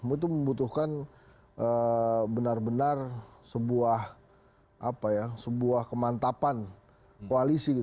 itu membutuhkan benar benar sebuah kemantapan koalisi